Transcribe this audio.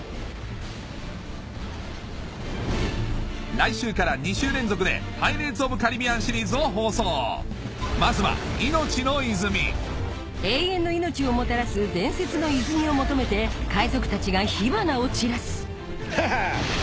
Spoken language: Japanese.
来週から２週連続で『パイレーツ・オブ・カリビアン』シリーズを放送まずは『生命の泉』永遠の命をもたらす伝説の泉を求めて海賊たちが火花を散らすハハ！